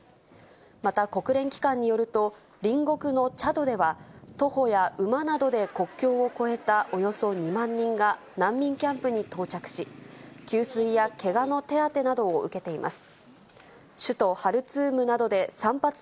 また国連機関によると、隣国のチャドでは、徒歩や馬などで国境を越えたおよそ２万人が、難民キャンプに到着し、給水やけがの手当てなどを受けています。